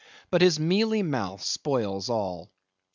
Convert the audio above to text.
But his mealy mouth spoils all.